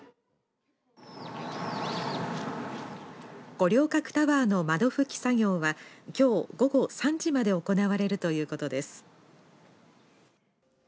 五稜郭タワーの窓拭き作業はきょう午後３時まで行われるということです。